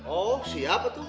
oh siapa tuh